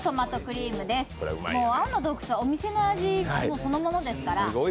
青の洞窟はお店の味そのものですから。